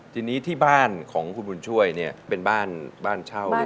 ทีนี้ที่บ้านของคุณบุญช่วยเนี่ยเป็นบ้านเช่าหรือว่าบ้าน